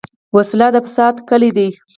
وسله د فساد کلي ده